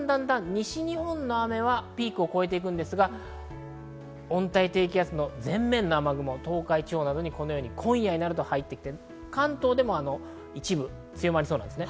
西日本の雨はピークを越えていきますが、温帯低気圧の前面の雨雲、東海地方などに今夜になると入ってきて関東でも一部強まりそうです。